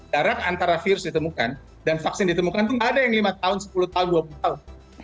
jarak antara virus ditemukan dan vaksin ditemukan itu tidak ada yang lima tahun sepuluh tahun dua puluh tahun